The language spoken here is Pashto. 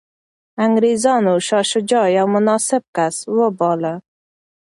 انګریزانو شاه شجاع یو مناسب کس وباله.